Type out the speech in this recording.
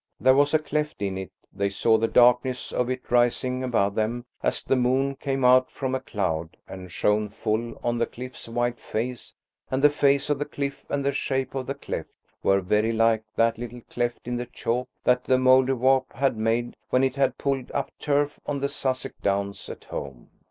There was a cleft in it, they saw the darkness of it rising above them as the moon came out from a cloud and shone full on the cliff's white face and the face of the cliff and the shape of the cleft were very like that little cleft in the chalk that the Mouldiwarp had made when it had pulled up turf on the Sussex downs at home.